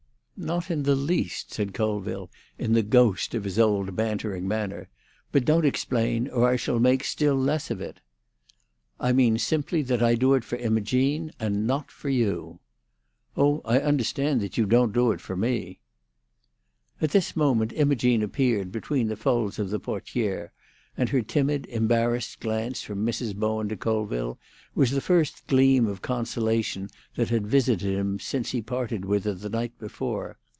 "Not in the least," said Colville, in the ghost of his old bantering manner. "But don't explain, or I shall make still less of it." "I mean simply that I do it for Imogene and not for you." "Oh, I understand that you don't do it for me." At this moment Imogene appeared between the folds of the portière, and her timid, embarrassed glance from Mrs. Bowen to Colville was the first gleam of consolation that had visited him since he parted with her the night before.